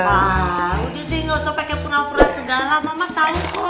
pak udhudi nggak usah pakai pura pura segala mama tahu kok